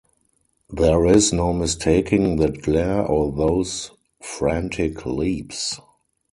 There is no mistaking that glare, or those frantic leaps.